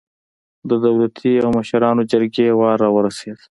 د دولتي او مشرانو جرګې وار راورسېد.